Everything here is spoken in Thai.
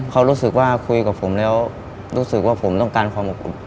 เขารู้สึกว่าคุยกับผมแล้วรู้สึกว่าผมต้องการความอบอุ่น